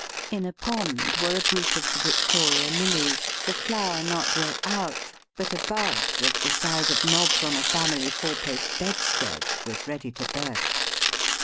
In a pond were a group of the Victoria lilies, the flower not yet out, but a bud, of the size of knobs on a family four post bedstead, was ready to burst.